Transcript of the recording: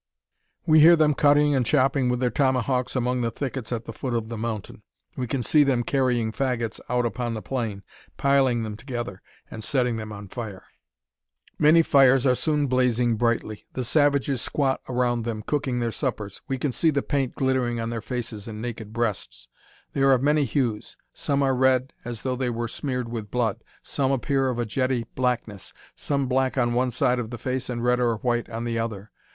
We hear them cutting and chopping with their tomahawks among the thickets at the foot of the mountain. We can see them carrying faggots out upon the plain, piling them together, and setting them on fire. Many fires are soon blazing brightly. The savages squat around them, cooking their suppers. We can see the paint glittering on their faces and naked breasts. They are of many hues. Some are red, as though they were smeared with blood. Some appear of a jetty blackness. Some black on one side of the face, and red or white on the other.